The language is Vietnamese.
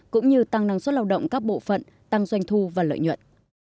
cũng như tăng năng suất lao động các bộ phận tăng doanh thu và lợi nhuận